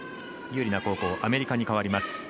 有利な後攻アメリカに変わります。